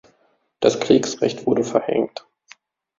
Das Kriegsrecht wurde verhängt.